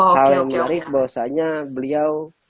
hal yang menarik bahwasannya beliau